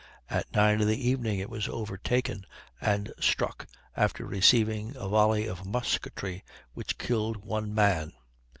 At nine in the evening it was overtaken, and struck after receiving a volley of musketry which killed one man.